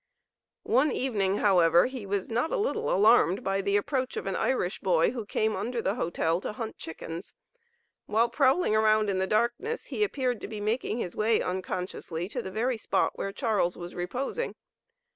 One evening, however, he was not a little alarmed by the approach of an Irish boy who came under the hotel to hunt chickens. While prowling around in the darkness he appeared to be making his way unconsciously to the very spot where Charles was reposing.